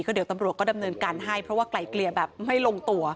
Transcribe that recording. เดี๋ยวตำรวจก็ดำเนินการให้เพราะว่าไกลเกลี่ยแบบไม่ลงตัว